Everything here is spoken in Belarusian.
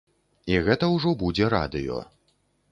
І гэта ўжо будзе радыё.